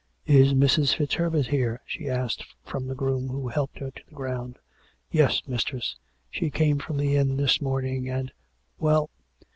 "Is Mrs. FitzHerbert here?" she asked from the groom who helped her to the ground. " YeSj mistress ; she came from the inn this morning, and " "Well.?"